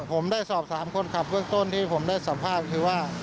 ผมได้สอบถามคนขับเบื้องต้นที่ผมได้สัมภาษณ์คือว่า